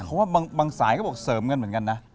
แต่เขาบอกว่าบางสายก็บอกเสริมเหมือนกันนะ